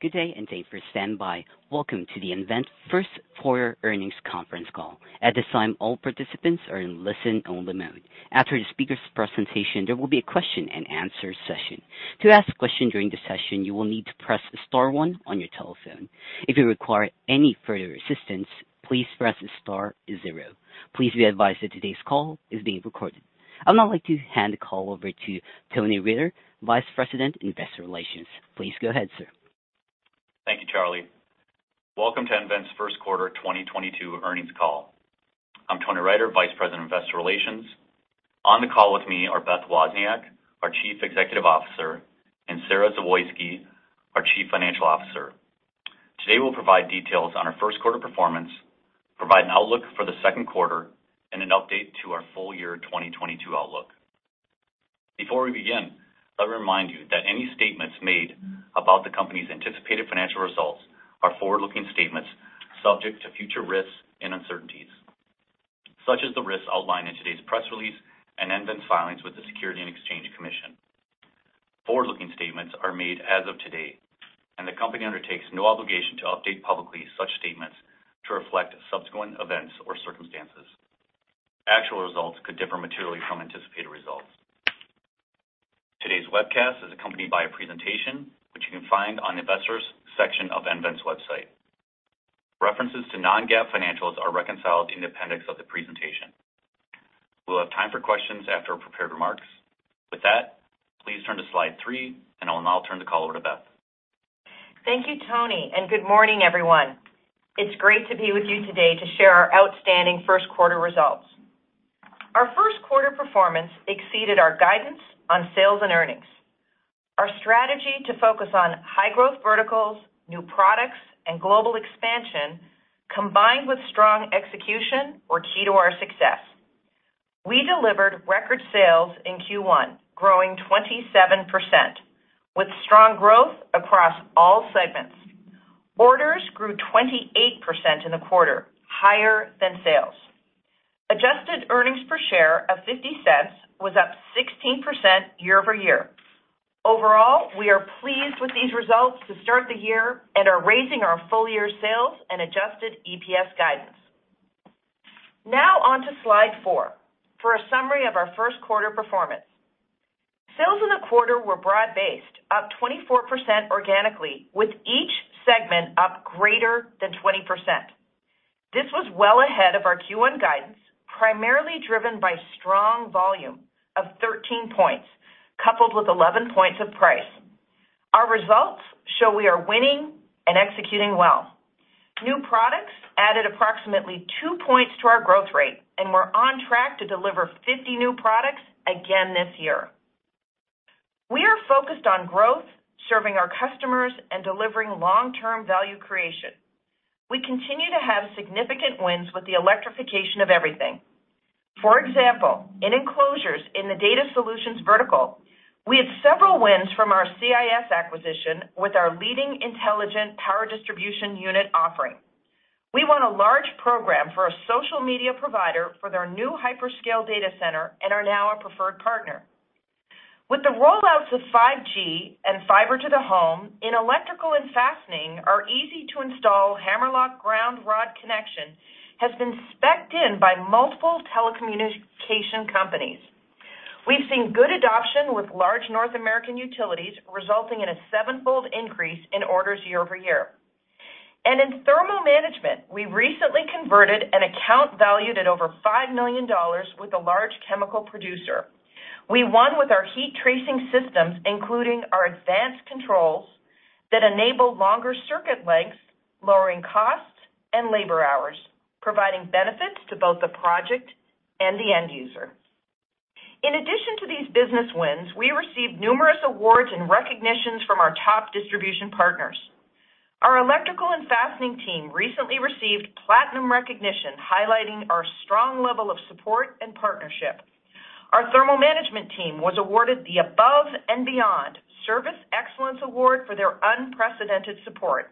Good day, and thanks for standing by. Welcome to the nVent first quarter earnings conference call. At this time, all participants are in listen-only mode. After the speaker's presentation, there will be a question-and-answer session. To ask a question during the session, you will need to press star-one on your telephone. If you require any further assistance, please press star-zero. Please be advised that today's call is being recorded. I would now like to hand the call over to Tony Riter, Vice President, Investor Relations. Please go ahead, sir. Thank you, Charlie. Welcome to nVent's first quarter 2022 earnings call. I'm Tony Riter, Vice President of Investor Relations. On the call with me are Beth Wozniak, our Chief Executive Officer, and Sara Zawoyski, our Chief Financial Officer. Today, we'll provide details on our first quarter performance, provide an outlook for the second quarter, and an update to our full year 2022 outlook. Before we begin, let me remind you that any statements made about the company's anticipated financial results are forward-looking statements subject to future risks and uncertainties, such as the risks outlined in today's press release and nVent's filings with the Securities and Exchange Commission. Forward-looking statements are made as of today, and the company undertakes no obligation to update publicly such statements to reflect subsequent events or circumstances. Actual results could differ materially from anticipated results. Today's webcast is accompanied by a presentation which you can find on Investors section of nVent's website. References to non-GAAP financials are reconciled in appendix of the presentation. We'll have time for questions after prepared remarks. With that, please turn to slide three, and I'll now turn the call over to Beth. Thank you, Tony, and good morning, everyone. It's great to be with you today to share our outstanding first quarter results. Our first quarter performance exceeded our guidance on sales and earnings. Our strategy to focus on high-growth verticals, new products, and global expansion, combined with strong execution were key to our success. We delivered record sales in Q1, growing 27%, with strong growth across all segments. Orders grew 28% in the quarter, higher than sales. Adjusted earnings per share of $0.50 was up 16% year-over-year. Overall, we are pleased with these results to start the year and are raising our full-year sales and adjusted EPS guidance. Now on to slide four for a summary of our first quarter performance. Sales in the quarter were broad-based, up 24% organically, with each segment up greater than 20%. This was well ahead of our Q1 guidance, primarily driven by strong volume of 13%, coupled with 11% of price. Our results show we are winning and executing well. New products added approximately two points to our growth rate, and we're on track to deliver 50 new products again this year. We are focused on growth, serving our customers, and delivering long-term value creation. We continue to have significant wins with the electrification of everything. For example, in enclosures in the data solutions vertical, we have several wins from our CIS acquisition with our leading intelligent Power Distribution Unit offering. We won a large program for a social media provider for their new hyperscale data center and are now a preferred partner. With the rollouts of 5G and fiber to the home, in electrical and fastening, our easy-to-install Hammerlock ground rod connection has been specced in by multiple telecommunication companies. We've seen good adoption with large North American utilities, resulting in a seven-fold increase in orders year-over-year. In thermal management, we recently converted an account valued at over $5 million with a large chemical producer. We won with our heat tracing systems, including our advanced controls that enable longer circuit lengths, lowering costs and labor hours, providing benefits to both the project and the end user. In addition to these business wins, we received numerous awards and recognitions from our top distribution partners. Our electrical and fastening team recently received platinum recognition, highlighting our strong level of support and partnership. Our thermal management team was awarded the Above and Beyond Service Excellence Award for their unprecedented support.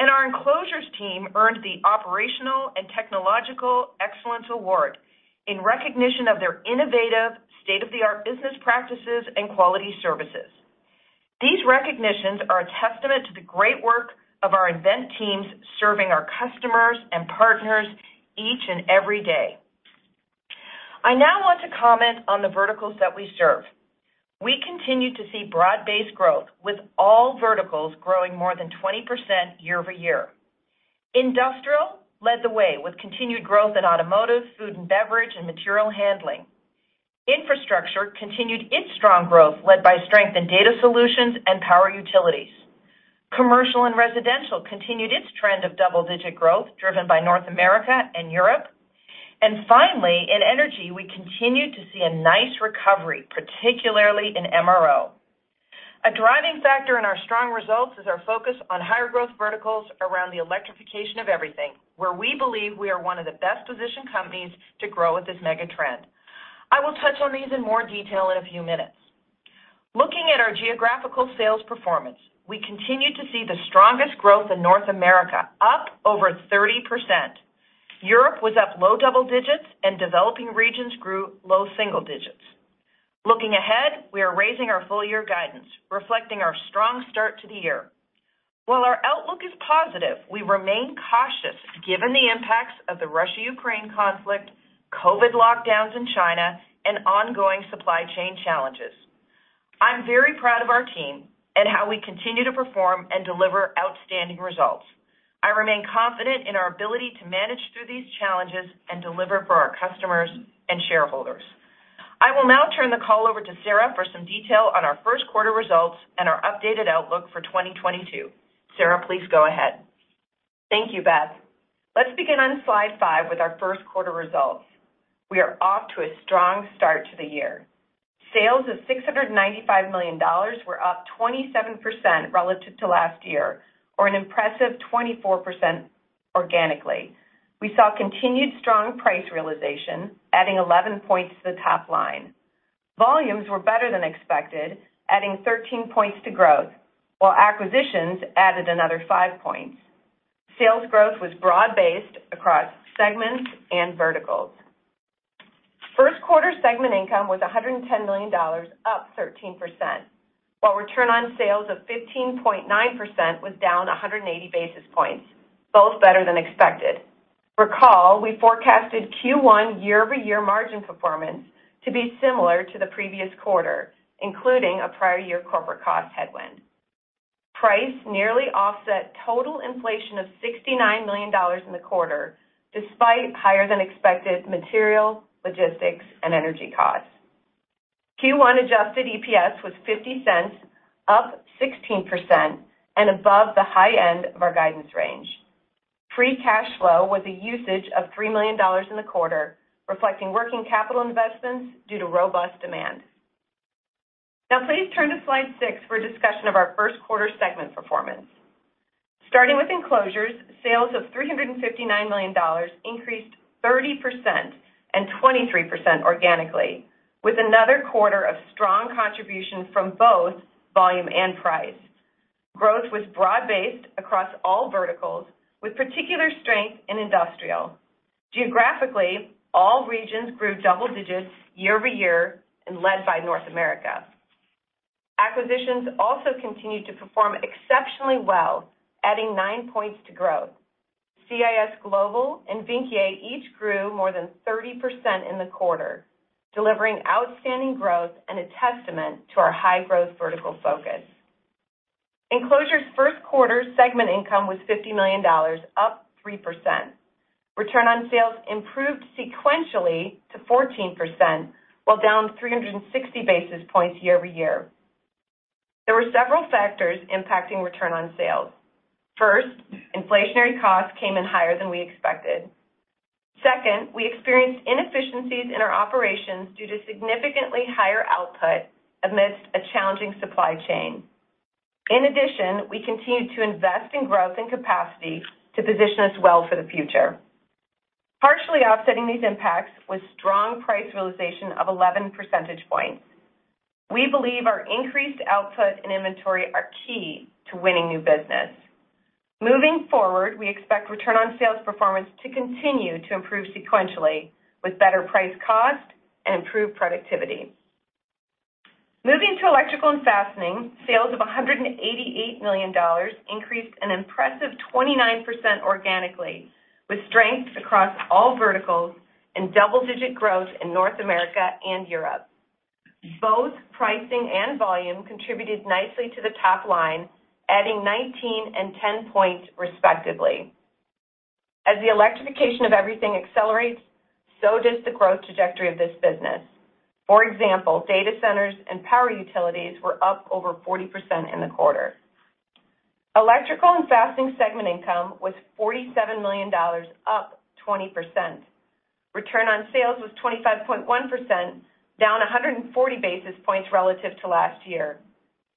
Our enclosures team earned the Operational and Technological Excellence Award in recognition of their innovative, state-of-the-art business practices and quality services. These recognitions are a testament to the great work of our nVent teams serving our customers and partners each and every day. I now want to comment on the verticals that we serve. We continue to see broad-based growth with all verticals growing more than 20% year-over-year. Industrial led the way with continued growth in automotive, food and beverage, and material handling. Infrastructure continued its strong growth led by strength in data solutions and power utilities. Commercial and residential continued its trend of double-digit growth driven by North America and Europe. Finally, in energy, we continue to see a nice recovery, particularly in MRO. A driving factor in our strong results is our focus on higher growth verticals around the electrification of everything, where we believe we are one of the best-positioned companies to grow with this mega trend. I will touch on these in more detail in a few minutes. Looking at our geographical sales performance, we continue to see the strongest growth in North America, up over 30%. Europe was up low double digits and developing regions grew low single digits. Looking ahead, we are raising our full year guidance, reflecting our strong start to the year. While our outlook is positive, we remain cautious given the impacts of the Russia-Ukraine conflict, COVID lockdowns in China, and ongoing supply chain challenges. I'm very proud of our team and how we continue to perform and deliver outstanding results. I remain confident in our ability to manage through these challenges and deliver for our customers and shareholders. I will now turn the call over to Sara for some detail on our first quarter results and our updated outlook for 2022. Sara, please go ahead. Thank you, Beth. Let's begin on slide 5 with our first quarter results. We are off to a strong start to the year. Sales of $695 million were up 27% relative to last year or an impressive 24% organically. We saw continued strong price realization, adding 11 points to the top line. Volumes were better than expected, adding 13 points to growth, while acquisitions added another five points. Sales growth was broad-based across segments and verticals. First quarter segment income was $110 million, up 13%, while return on sales of 15.9% was down 180 basis points, both better than expected. Recall, we forecasted Q1 year-over-year margin performance to be similar to the previous quarter, including a prior year corporate cost headwind. Price nearly offset total inflation of $69 million in the quarter, despite higher than expected material, logistics, and energy costs. Q1 adjusted EPS was $0.50, up 16% and above the high end of our guidance range. Free cash flow was a usage of $3 million in the quarter, reflecting working capital investments due to robust demand. Now please turn to slide six for a discussion of our first quarter segment performance. Starting with Enclosures, sales of $359 million increased 30% and 23% organically, with another quarter of strong contribution from both volume and price. Growth was broad-based across all verticals, with particular strength in industrial. Geographically, all regions grew double digits year-over-year and led by North America. Acquisitions also continued to perform exceptionally well, adding nine points to growth. CIS Global and Vynckier each grew more than 30% in the quarter, delivering outstanding growth and a testament to our high-growth vertical focus. Enclosures' first quarter segment income was $50 million, up 3%. Return on sales improved sequentially to 14%, while down 360 basis points year-over-year. There were several factors impacting return on sales. First, inflationary costs came in higher than we expected. Second, we experienced inefficiencies in our operations due to significantly higher output amidst a challenging supply chain. In addition, we continued to invest in growth and capacity to position us well for the future. Partially offsetting these impacts was strong price realization of 11 percentage points. We believe our increased output and inventory are key to winning new business. Moving forward, we expect return on sales performance to continue to improve sequentially with better price cost and improved productivity. Moving to Electrical and Fastening, sales of $188 million increased an impressive 29% organically with strength across all verticals and double-digit growth in North America and Europe. Both pricing and volume contributed nicely to the top line, adding 19 and 10 points respectively. As the electrification of everything accelerates, so does the growth trajectory of this business. For example, data centers and power utilities were up over 40% in the quarter. Electrical and Fastening segment income was $47 million, up 20%. Return on sales was 25.1%, down 140 basis points relative to last year.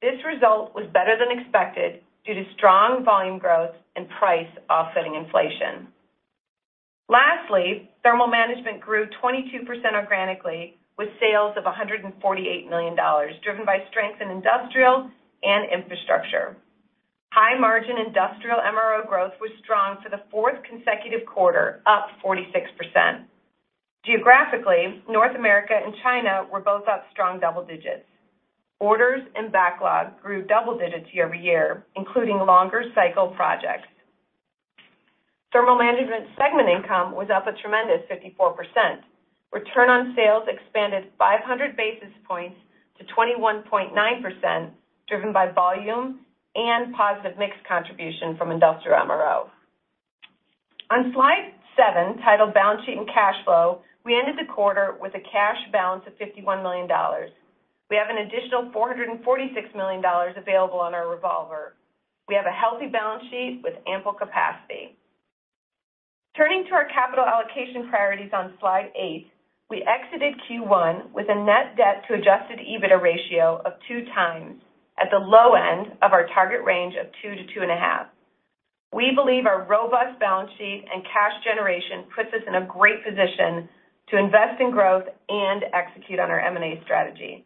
This result was better than expected due to strong volume growth and price offsetting inflation. Lastly, Thermal Management grew 22% organically with sales of $148 million, driven by strength in industrial and infrastructure. High margin industrial MRO growth was strong for the fourth consecutive quarter, up 46%. Geographically, North America and China were both up strong double digits. Orders and backlog grew double digits year-over-year, including longer cycle projects. Thermal Management segment income was up a tremendous 54%. Return on Sales expanded 500 basis points to 21.9%, driven by volume and positive mix contribution from industrial MRO. On slide seven, titled Balance Sheet and Cash Flow, we ended the quarter with a cash balance of $51 million. We have an additional $446 million available on our revolver. We have a healthy balance sheet with ample capacity. Turning to our capital allocation priorities on slide eight, we exited Q1 with a net debt to adjusted EBITDA ratio of 2x at the low end of our target range of 2x-2.5x. We believe our robust balance sheet and cash generation puts us in a great position to invest in growth and execute on our M&A strategy.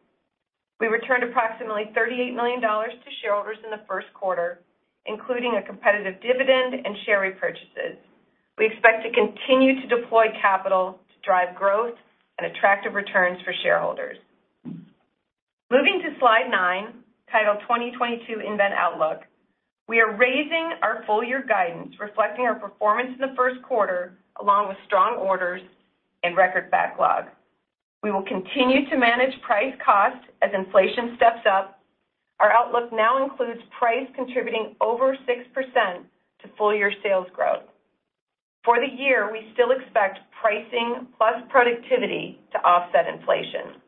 We returned approximately $38 million to shareholders in the first quarter, including a competitive dividend and share repurchases. We expect to continue to deploy capital to drive growth and attractive returns for shareholders. Moving to slide nine, titled 2022 nVent Outlook. We are raising our full year guidance reflecting our performance in the first quarter, along with strong orders and record backlog. We will continue to manage price cost as inflation steps up. Our outlook now includes price contributing over 6% to full year sales growth. For the year, we still expect pricing plus productivity to offset inflation.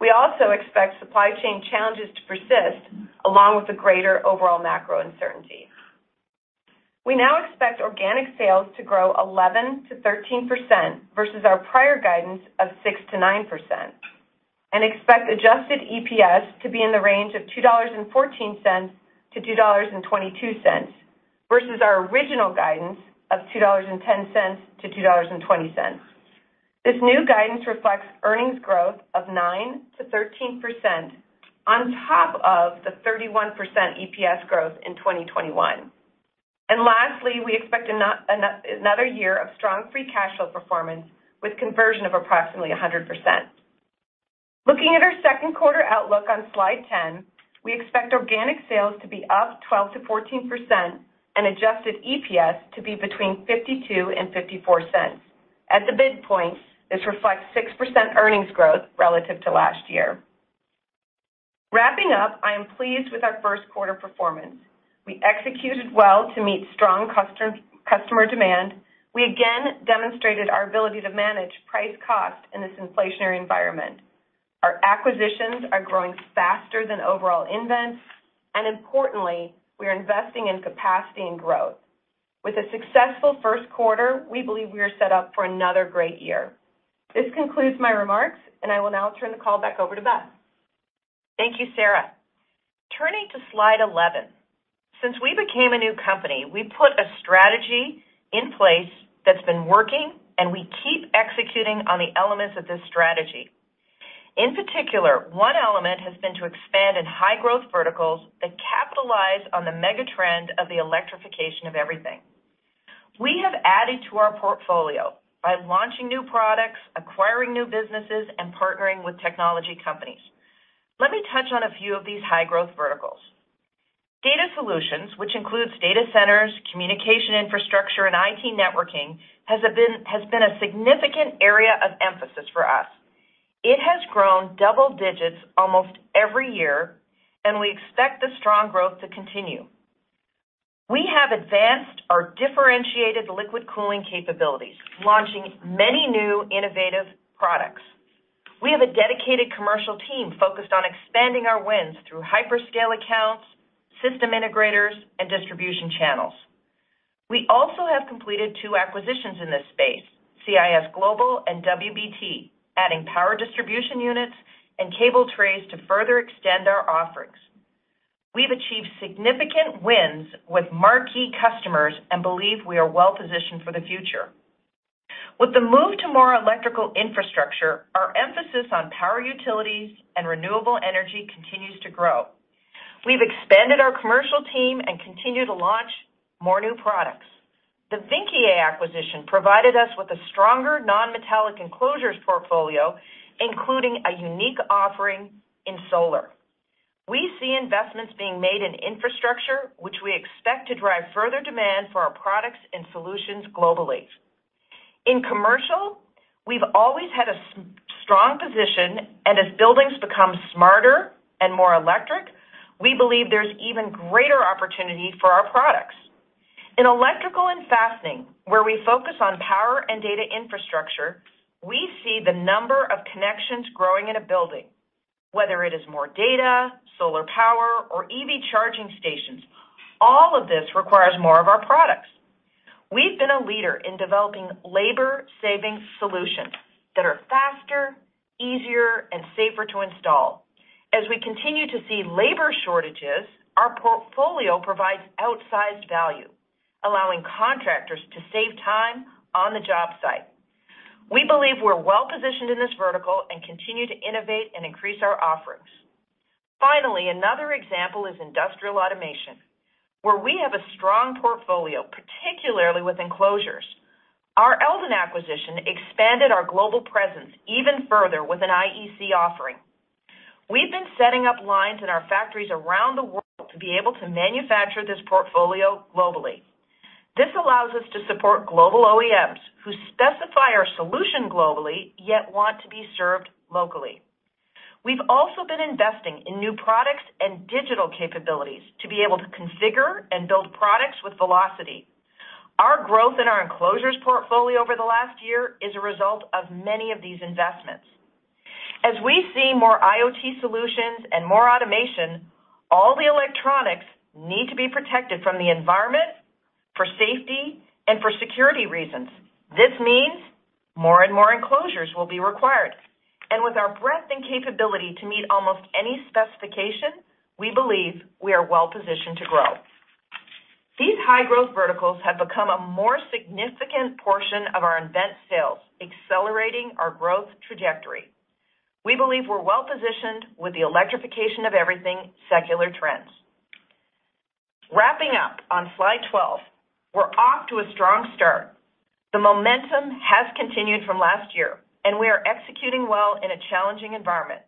We also expect supply chain challenges to persist along with the greater overall macro uncertainty. We now expect organic sales to grow 11%-13% versus our prior guidance of 6%-9%, and expect adjusted EPS to be in the range of $2.14-$2.22 versus our original guidance of $2.10-$2.20. This new guidance reflects earnings growth of 9%-13% on top of the 31% EPS growth in 2021. Lastly, we expect another year of strong free cash flow performance with conversion of approximately 100%. Looking at our second quarter outlook on slide 10, we expect organic sales to be up 12%-14% and adjusted EPS to be between $0.52 and $0.54. At the midpoint, this reflects 6% earnings growth relative to last year. Wrapping up, I am pleased with our first quarter performance. We executed well to meet strong customer demand. We again demonstrated our ability to manage price cost in this inflationary environment. Our acquisitions are growing faster than overall nVent's, and importantly, we are investing in capacity and growth. With a successful first quarter, we believe we are set up for another great year. This concludes my remarks, and I will now turn the call back over to Beth. Thank you, Sara. Turning to slide 11. Since we became a new company, we put a strategy in place that's been working, and we keep executing on the elements of this strategy. In particular, one element has been to expand in high-growth verticals that capitalize on the mega trend of the electrification of everything. We have added to our portfolio by launching new products, acquiring new businesses, and partnering with technology companies. Let me touch on a few of these high-growth verticals. Data solutions, which includes data centers, communication infrastructure, and IT networking, has been a significant area of emphasis for us. It has grown double digits almost every year, and we expect the strong growth to continue. We have advanced our differentiated liquid cooling capabilities, launching many new innovative products. We have a dedicated commercial team focused on expanding our wins through hyperscale accounts, system integrators, and distribution channels. We also have completed two acquisitions in this space, CIS Global and WBT, adding power distribution units and cable trays to further extend our offerings. We've achieved significant wins with marquee customers and believe we are well-positioned for the future. With the move to more electrical infrastructure, our emphasis on power utilities and renewable energy continues to grow. We've expanded our commercial team and continue to launch more new products. The Vynckier acquisition provided us with a stronger non-metallic enclosures portfolio, including a unique offering in solar. We see investments being made in infrastructure, which we expect to drive further demand for our products and solutions globally. In commercial, we've always had a strong position, and as buildings become smarter and more electric, we believe there's even greater opportunity for our products. In electrical and fastening, where we focus on power and data infrastructure, we see the number of connections growing in a building, whether it is more data, solar power, or EV charging stations. All of this requires more of our products. We've been a leader in developing labor savings solutions that are faster, easier, and safer to install. As we continue to see labor shortages, our portfolio provides outsized value, allowing contractors to save time on the job site. We believe we're well-positioned in this vertical and continue to innovate and increase our offerings. Finally, another example is industrial automation, where we have a strong portfolio, particularly with enclosures. Our Eldon acquisition expanded our global presence even further with an IEC offering. We've been setting up lines in our factories around the world to be able to manufacture this portfolio globally. This allows us to support global OEMs who specify our solution globally, yet want to be served locally. We've also been investing in new products and digital capabilities to be able to configure and build products with velocity. Our growth in our enclosures portfolio over the last year is a result of many of these investments. As we see more IoT solutions and more automation, all the electronics need to be protected from the environment for safety and for security reasons. This means more and more enclosures will be required. With our breadth and capability to meet almost any specification, we believe we are well-positioned to grow. These high growth verticals have become a more significant portion of our nVent sales, accelerating our growth trajectory. We believe we're well-positioned with the electrification of everything secular trends. Wrapping up on slide 12, we're off to a strong start. The momentum has continued from last year, and we are executing well in a challenging environment.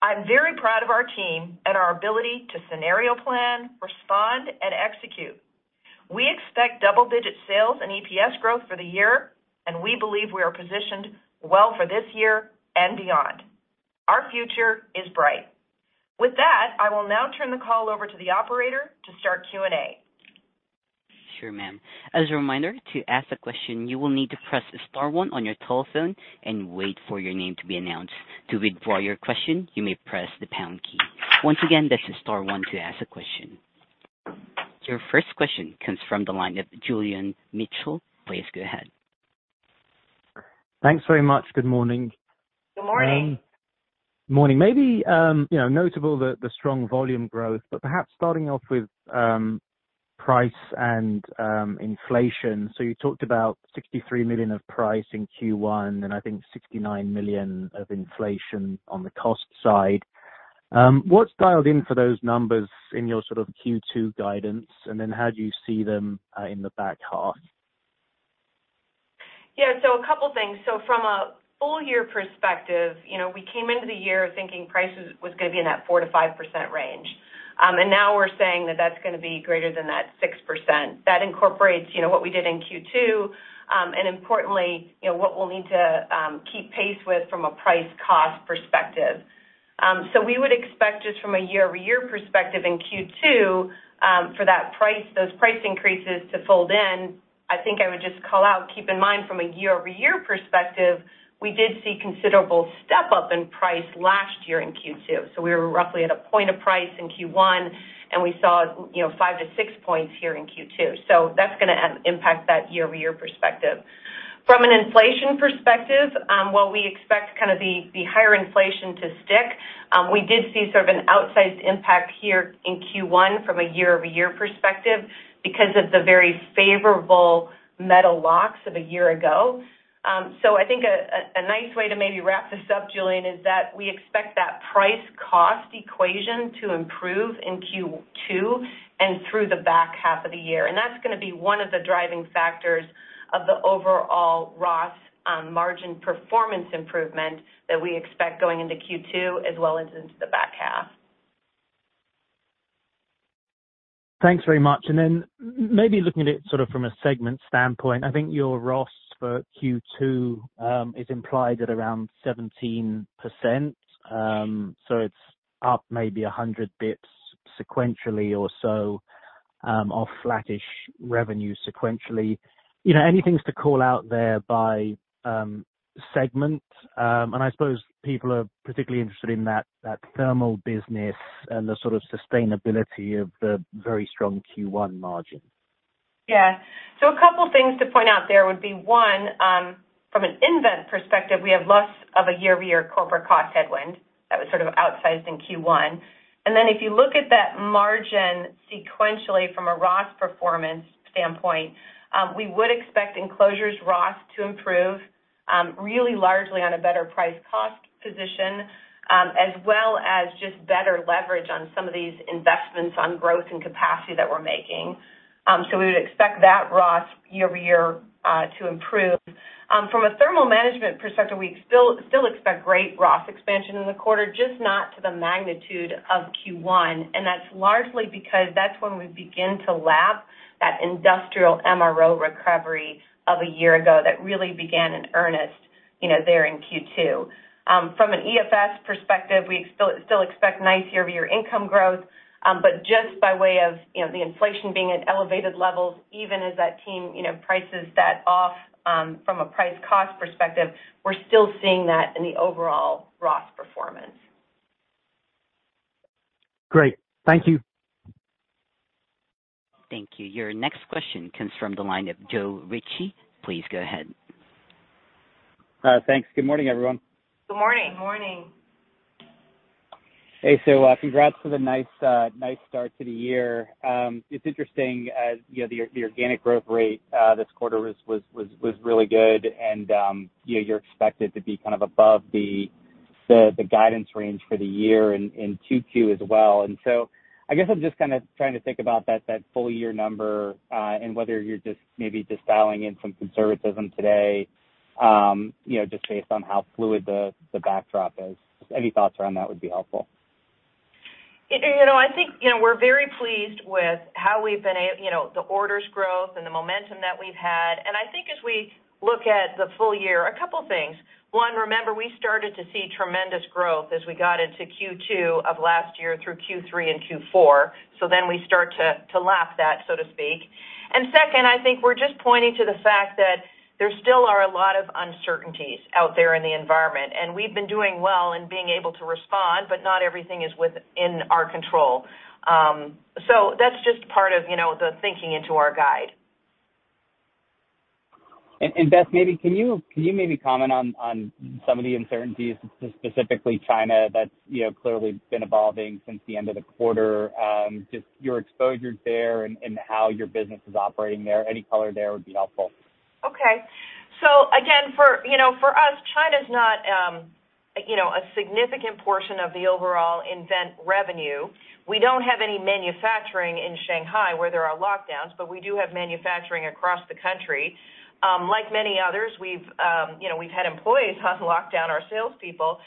I'm very proud of our team and our ability to scenario plan, respond, and execute. We expect double-digit sales and EPS growth for the year, and we believe we are positioned well for this year and beyond. Our future is bright. With that, I will now turn the call over to the operator to start Q&A. Sure, ma'am. As a reminder, to ask a question, you will need to press star-one on your telephone and wait for your name to be announced. To withdraw your question, you may press the pound key. Once again, that's star-one to ask a question. Your first question comes from the line of Julian Mitchell. Please go ahead. Thanks very much. Good morning. Good morning. Morning. Maybe you know, notably the strong volume growth, but perhaps starting off with price and inflation. You talked about $63 million of price in Q1, and I think $69 million of inflation on the cost side. What's dialed in for those numbers in your sort of Q2 guidance, and then how do you see them in the back half? Yeah. A couple things. From a full year perspective, you know, we came into the year thinking prices was going to be in that 4%-5% range. Now we're saying that that's going to be greater than 6%. That incorporates, you know, what we did in Q2, and importantly, you know, what we'll need to keep pace with from a price cost perspective. We would expect just from a year-over-year perspective in Q2, for that price, those price increases to fold in. I think I would just call out, keep in mind from a year-over-year perspective, we did see considerable step-up in price last year in Q2. That's going to impact that year-over-year perspective. From an inflation perspective, while we expect the higher inflation to stick, we did see sort of an outsized impact here in Q1 from a year-over-year perspective because of the very favorable metal costs of a year ago. I think a nice way to maybe wrap this up, Julian, is that we expect that price cost equation to improve in Q2 and through the back half of the year. That's going to be one of the driving factors of the overall ROS margin performance improvement that we expect going into Q2 as well as into the back half. Thanks very much. Maybe looking at it sort of from a segment standpoint, I think your ROS for Q2 is implied at around 17%. It's up maybe 100 bps sequentially or so, off flattish revenue sequentially. You know, anything to call out there by segment? I suppose people are particularly interested in that thermal business and the sort of sustainability of the very strong Q1 margin. Yeah. A couple things to point out there would be, one, from a nVent perspective, we have less of a year-over-year corporate cost headwind that was sort of outsized in Q1. If you look at that margin sequentially from a ROS performance standpoint, we would expect Enclosures ROS to improve, really largely on a better price cost position, as well as just better leverage on some of these investments on growth and capacity that we're making. We would expect that ROS year-over-year to improve. From a Thermal Management perspective, we still expect great ROS expansion in the quarter, just not to the magnitude of Q1, and that's largely because that's when we begin to lap that industrial MRO recovery of a year ago that really began in earnest, you know, there in Q2. From an EFS perspective, we still expect nice year-over-year income growth, but just by way of, you know, the inflation being at elevated levels, even as that team, you know, prices that off, from a price cost perspective, we're still seeing that in the overall ROS performance. Great. Thank you. Thank you. Your next question comes from the line of Joe Ritchie. Please go ahead. Thanks. Good morning, everyone. Good morning. Good morning. Hey, congrats for the nice start to the year. It's interesting as, you know, the organic growth rate this quarter was really good and, you know, you're expected to be kind of above the guidance range for the year in Q2 as well. I guess I'm just kinda trying to think about that full year number, and whether you're just maybe just dialing in some conservatism today, you know, just based on how fluid the backdrop is. Any thoughts around that would be helpful. You know, I think, you know, we're very pleased with how we've been you know, the orders growth and the momentum that we've had. I think as we look at the full year, a couple things. One, remember, we started to see tremendous growth as we got into Q2 of last year through Q3 and Q4. We start to lap that, so to speak. Second, I think we're just pointing to the fact that there still are a lot of uncertainties out there in the environment, and we've been doing well in being able to respond, but not everything is within our control. That's just part of, you know, the thinking into our guide. Beth, maybe can you maybe comment on some of the uncertainties, specifically China that's, you know, clearly been evolving since the end of the quarter, just your exposures there and how your business is operating there? Any color there would be helpful. Okay. Again, you know, for us, China is not a significant portion of the overall nVent revenue. We do not have any manufacturing in Shanghai where there are lockdowns, but we do have manufacturing across the country. Like many others, we have had employees on lockdown, our salespeople.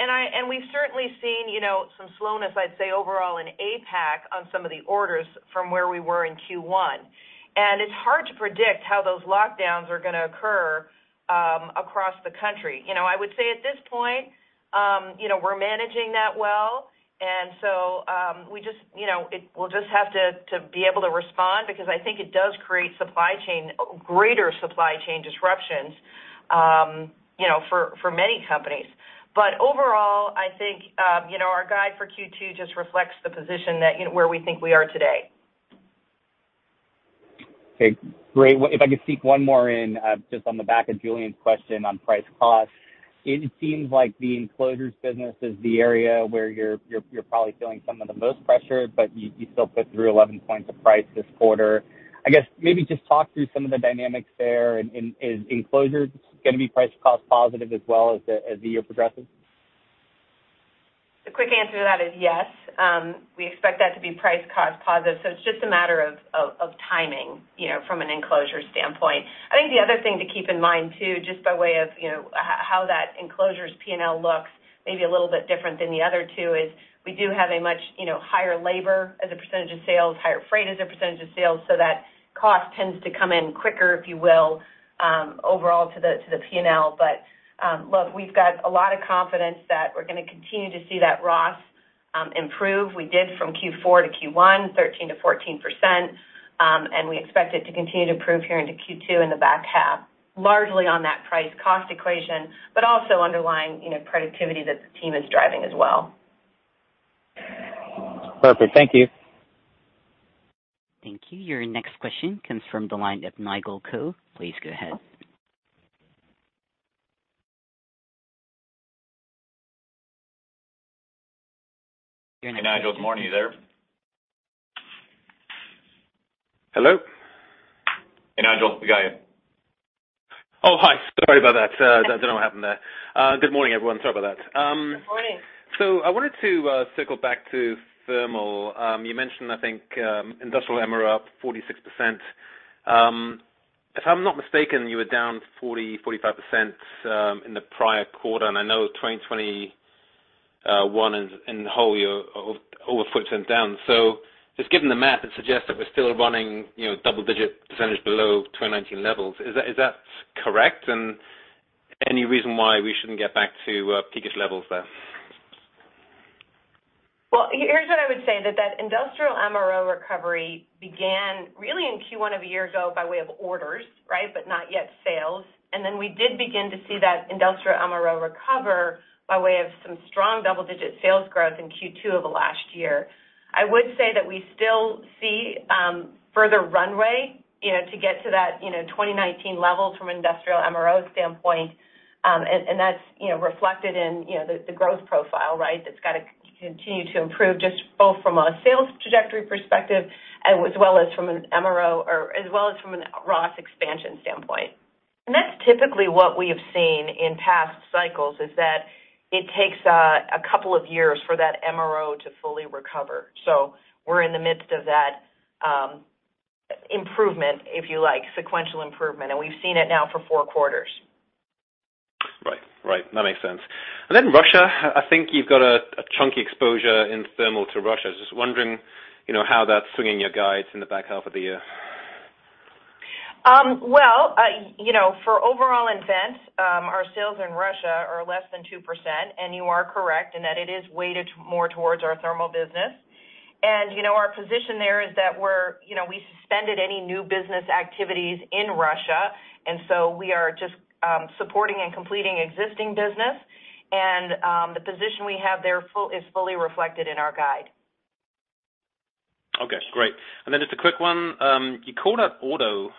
We have certainly seen, you know, some slowness, I would say overall in APAC on some of the orders from where we were in Q1. It is hard to predict how those lockdowns are going to occur across the country. You know, I would say at this point, you know, we are managing that well. We just, you know, will just have to be able to respond because I think it does create supply chain, greater supply chain disruptions, you know, for many companies. Overall, I think, you know, our guide for Q2 just reflects the position that, you know, where we think we are today. Okay, great. If I could sneak one more in, just on the back of Julian's question on price cost. It seems like the enclosures business is the area where you're probably feeling some of the most pressure, but you still put through 11 points of price this quarter. I guess maybe just talk through some of the dynamics there. Is enclosures going to be price cost positive as well as the year progresses? The quick answer to that is yes. We expect that to be price cost positive, so it's just a matter of of timing, you know, from an Enclosures standpoint. I think the other thing to keep in mind too, just by way of, you know, how that Enclosures P&L looks maybe a little bit different than the other two is we do have a much, you know, higher labor as a percentage of sales, higher freight as a percentage of sales, so that cost tends to come in quicker, if you will, overall to the P&L. Look, we've got a lot of confidence that we're going to continue to see that ROS improve. We did from Q4 to Q1, 13%-14%, and we expect it to continue to improve here into Q2 in the back half, largely on that price cost equation, but also underlying, you know, productivity that the team is driving as well. Perfect. Thank you. Thank you. Your next question comes from the line of Nigel Coe. Please go ahead. Nigel, good morning. Are you there? Hello? Nigel, we got you. Hi. Sorry about that. Don't know what happened there. Good morning, everyone. Sorry about that. Good morning. I wanted to circle back to thermal. You mentioned, I think, industrial MRO up 46%. If I'm not mistaken, you were down 45% in the prior quarter, and I know 2021 in the whole year, over 40% down. Just given the math, it suggests that we're still running, you know, double-digit below 2019 levels. Is that correct? And any reason why we shouldn't get back to peakish levels there? Here's what I would say, that industrial MRO recovery began really in Q1 of a year ago by way of orders, right, but not yet sales. Then we did begin to see that industrial MRO recover by way of some strong double-digit sales growth in Q2 of last year. I would say that we still see further runway, you know, to get to that, you know, 2019 levels from an industrial MRO standpoint. And that's, you know, reflected in, you know, the growth profile, right? That's got to continue to improve just both from a sales trajectory perspective as well as from an MRO as well as from a ROS expansion standpoint. That's typically what we have seen in past cycles, is that it takes a couple of years for that MRO to fully recover. We're in the midst of that, improvement, if you like, sequential improvement. We've seen it now for four quarters. Right. That makes sense. Russia, I think you've got a chunky exposure in thermal to Russia. Just wondering, you know, how that's swinging your guides in the back half of the year. Well, you know, for overall nVent's, our sales in Russia are less than 2%, and you are correct in that it is weighted more towards our thermal business. You know, our position there is that, you know, we suspended any new business activities in Russia, and so we are just supporting and completing existing business. The position we have there fully is fully reflected in our guide. Okay, great. Just a quick one. [You called out auto].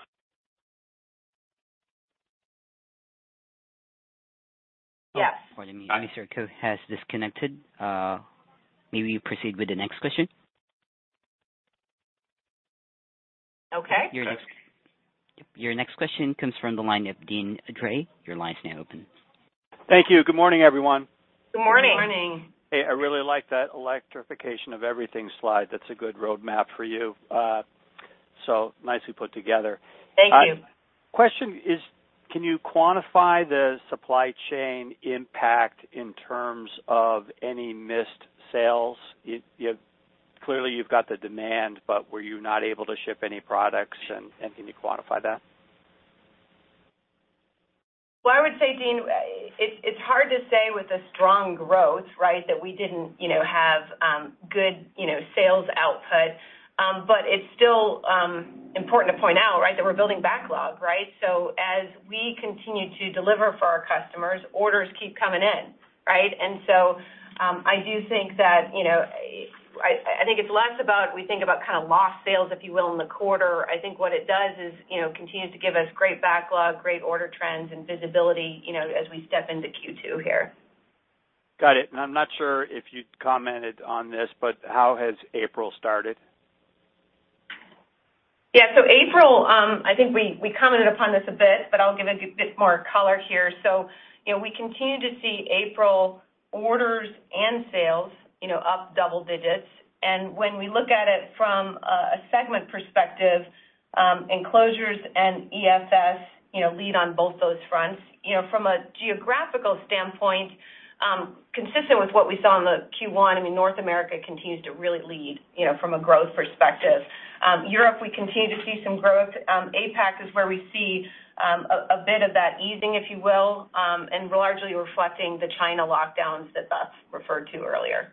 Pardon me. I see Nigel Coe has disconnected. Maybe you proceed with the next question. Okay. Your next question comes from the line of Deane Dray. Your line is now open. Thank you. Good morning, everyone. Good morning. Good morning. Hey, I really like that electrification of everything slide. That's a good roadmap for you. Nicely put together. Thank you. My question is, can you quantify the supply chain impact in terms of any missed sales? Clearly, you've got the demand, but were you not able to ship any products and can you quantify that? Well, I would say, Deane, it's hard to say with the strong growth, right, that we didn't, you know, have good, you know, sales output. It's still important to point out, right, that we're building backlog, right? As we continue to deliver for our customers, orders keep coming in. Right? I do think that, you know, I think it's less about we think about kind of lost sales, if you will, in the quarter. I think what it does is, you know, continues to give us great backlog, great order trends and visibility, you know, as we step into Q2 here. Got it. I'm not sure if you commented on this, but how has April started? Yeah. April, I think we commented upon this a bit, but I'll give a bit more color here. You know, we continue to see April orders and sales, you know, up double digits. When we look at it from a segment perspective, enclosures and EFS, you know, lead on both those fronts. You know, from a geographical standpoint, consistent with what we saw in the Q1, I mean, North America continues to really lead, you know, from a growth perspective. Europe, we continue to see some growth. APAC is where we see a bit of that easing, if you will, and largely reflecting the China lockdowns that Beth referred to earlier.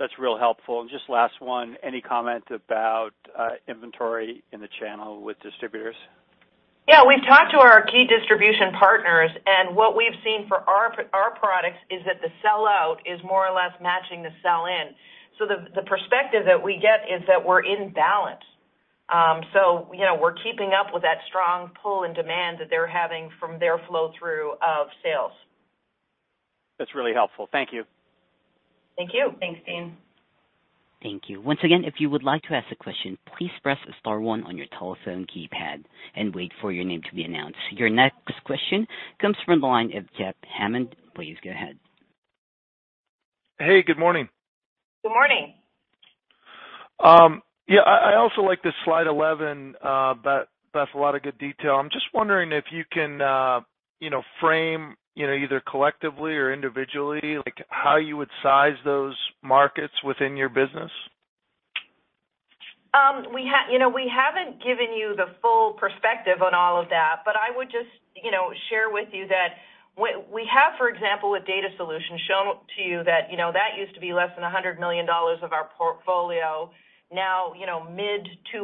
That's real helpful. Just last one, any comment about inventory in the channel with distributors? Yeah. We've talked to our key distribution partners, and what we've seen for our products is that the sell out is more or less matching the sell in. The perspective that we get is that we're in balance. You know, we're keeping up with that strong pull and demand that they're having from their flow through of sales. That's really helpful. Thank you. Thank you. Thanks, Deane. Thank you. Once again, if you would like to ask a question, please press star-one on your telephone keypad and wait for your name to be announced. Your next question comes from the line of Jeff Hammond. Please go ahead. Hey, good morning. Good morning. Yeah, I also like this slide 11, Beth, a lot of good detail. I'm just wondering if you can, you know, frame, you know, either collectively or individually, like how you would size those markets within your business. You know, we haven't given you the full perspective on all of that, but I would just, you know, share with you that we have, for example, with data solutions, shown to you that, you know, that used to be less than $100 million of our portfolio. Now, you know, mid-$200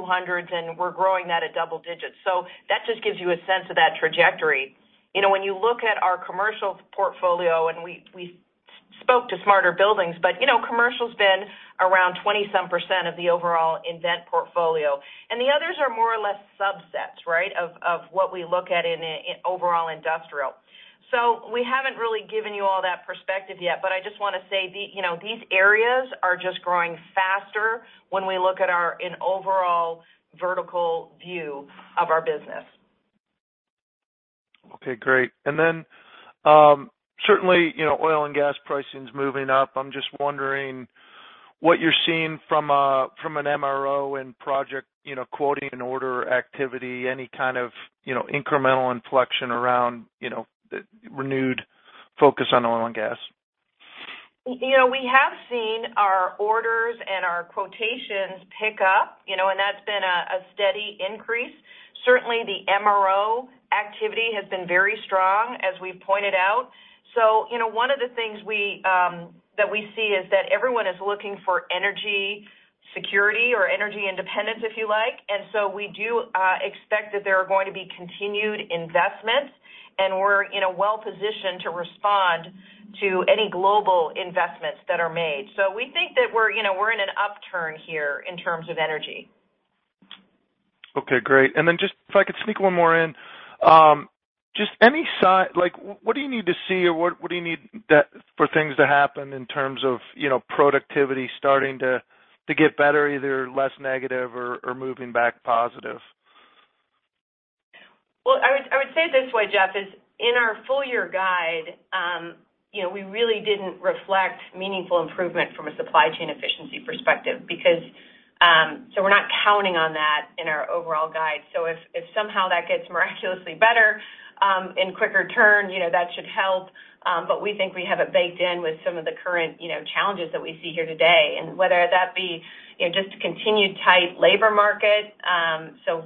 million, and we're growing that at double digits. That just gives you a sense of that trajectory. You know, when you look at our commercial portfolio and we spoke to smarter buildings, but, you know, commercial's been around 20-some percent of the overall nVent portfolio. The others are more or less subsets, right, of what we look at in overall industrial. We haven't really given you all that perspective yet, but I just want to say, you know, these areas are just growing faster when we look at our overall vertical view of our business. Okay, great. Certainly, you know, oil and gas pricing is moving up. I'm just wondering what you're seeing from an MRO and project, you know, quoting an order activity, any kind of, you know, incremental inflection around, you know, renewed focus on oil and gas? You know, we have seen our orders and our quotations pick up, you know, and that's been a steady increase. Certainly, the MRO activity has been very strong as we've pointed out. You know, one of the things that we see is that everyone is looking for energy security or energy independence, if you like. We do expect that there are going to be continued investments, and we're, you know, well-positioned to respond to any global investments that are made. We think that we're, you know, in an upturn here in terms of energy. Okay, great. Then just if I could sneak one more in, just any sign, like, what do you need to see or what do you need that for things to happen in terms of, you know, productivity starting to get better, either less negative or moving back positive? Well, I would say it this way, Jeff, it is in our full year guide, you know, we really didn't reflect meaningful improvement from a supply chain efficiency perspective because we're not counting on that in our overall guide. If somehow that gets miraculously better in quicker turn, you know, that should help. We think we have it baked in with some of the current, you know, challenges that we see here today. Whether that be, you know, just continued tight labor market,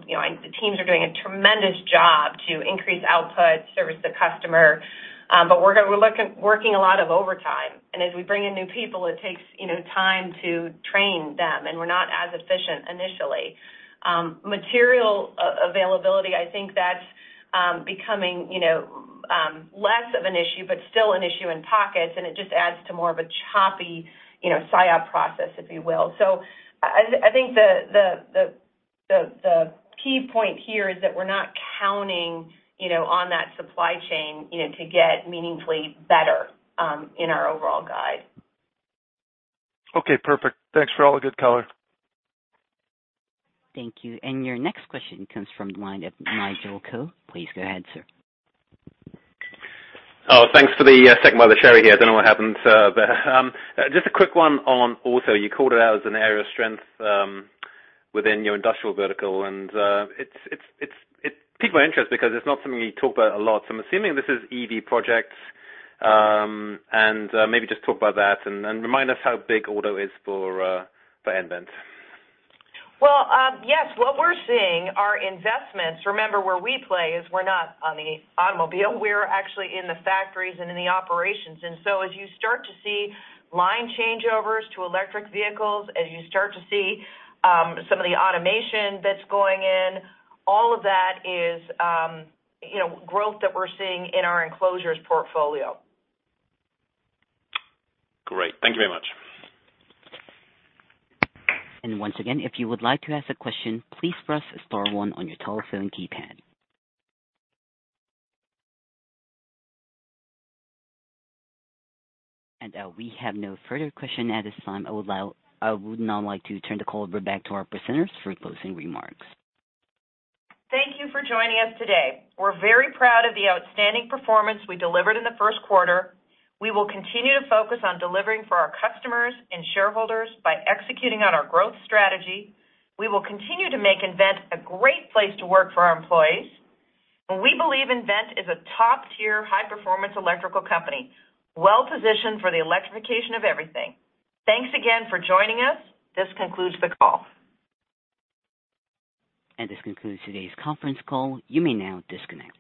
you know, the teams are doing a tremendous job to increase output, service the customer, but we're working a lot of overtime. As we bring in new people, it takes, you know, time to train them, and we're not as efficient initially. Material availability, I think that's becoming, you know, less of an issue, but still an issue in pockets, and it just adds to more of a choppy, you know, SIOP process, if you will. I think the key point here is that we're not counting, you know, on that supply chain, you know, to get meaningfully better in our overall guide. Okay, perfect. Thanks for all the good color. Thank you. Your next question comes from the line of Nigel Coe. Please go ahead, sir. Thanks for the second bite at the cherry here. I don't know what happened. Just a quick one on auto. You called it out as an area of strength within your industrial vertical. It piqued my interest because it's not something you talk about a lot. I'm assuming this is EV projects, and maybe just talk about that and remind us how big auto is for nVent. Well, yes. What we're seeing are investments. Remember, where we play is we're not on the automobile. We're actually in the factories and in the operations. As you start to see line changeovers to electric vehicles, as you start to see some of the automation that's going in, all of that is, you know, growth that we're seeing in our Enclosures portfolio. Great. Thank you very much. Once again, if you would like to ask a question, please press star-one on your telephone keypad. We have no further question at this time. I would now like to turn the call back to our presenters for closing remarks. Thank you for joining us today. We're very proud of the outstanding performance we delivered in the first quarter. We will continue to focus on delivering for our customers and shareholders by executing on our growth strategy. We will continue to make nVent a great place to work for our employees. We believe nVent is a top tier high performance electrical company, well positioned for the electrification of everything. Thanks again for joining us. This concludes the call. This concludes today's conference call. You may now disconnect.